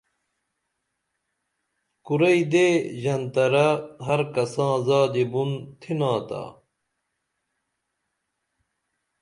کُرئی دے ژنترہ ہر کساں زادی بُن تِھنا تا